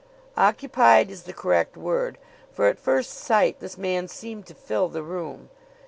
Occupied is the correct word, for at first sight this man seemed to fill the room.